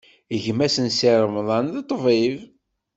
Gma-s n Si Remḍan, d ṭṭbib.